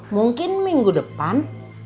mungkin minggu depan